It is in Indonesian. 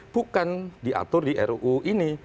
bukan diatur di ruu ini